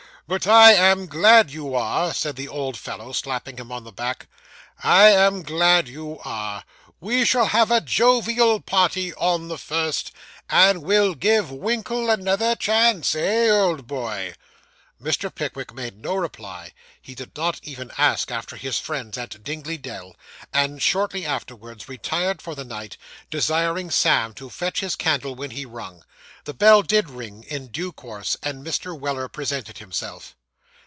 But I am glad you are,' said the old fellow, slapping him on the back 'I am glad you are. We shall have a jovial party on the first, and we'll give Winkle another chance eh, old boy?' Mr. Pickwick made no reply, he did not even ask after his friends at Dingley Dell, and shortly afterwards retired for the night, desiring Sam to fetch his candle when he rung. The bell did ring in due course, and Mr. Weller presented himself.